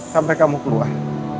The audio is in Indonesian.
sampai kamu keluar